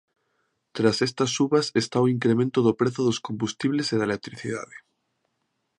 Tras estas subas está o incremento do prezo dos combustibles e da electricidade.